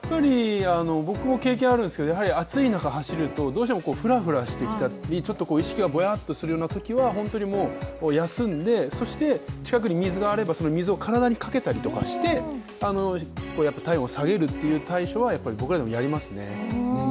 僕も経験あるんですけど暑い中、走るとふらふらしてきたり意識がぼやっとするようなときは休んで、そして、近くに水があればその水を体にかけたりして体温を下げるという対処は僕らでもやりますね。